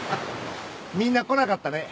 みんな来なかったね。